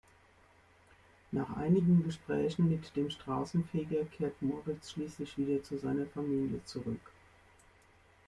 Nach einigen Gesprächen mit dem Straßenfeger kehrt Moritz schließlich wieder zu seiner Familie zurück.